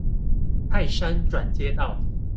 泰山轉接道